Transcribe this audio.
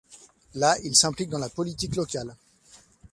Là il s'implique dans la politique locale.